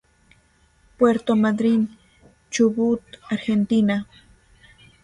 Puerto Madryn, Chubut, Argentina.